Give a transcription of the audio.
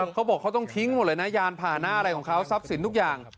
เขาบอกเขาต้องทิ้งหมดเลยนะยานผ่านหน้าอะไรของเขาทรัพย์สินทุกอย่าง